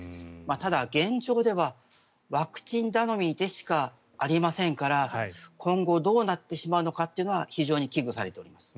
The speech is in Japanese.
ただ、現状ではワクチン頼みでしかありませんから今後どうなってしまうのかというのは非常に危惧されます。